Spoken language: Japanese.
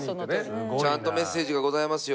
ちゃんとメッセージがございますよ。